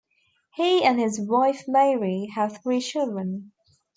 He and his wife Mary have three children.